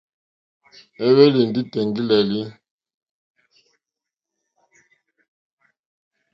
Éhwélì ndí tèŋɡí!lélí.